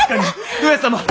上様！